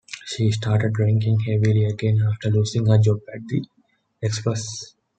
She started drinking heavily again after losing her job at the "Express".